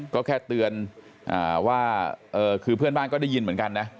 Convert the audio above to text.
ก็แค่เตือนว่าคือเพื่อนบ้านก็ได้ยินเหมือนกันนะ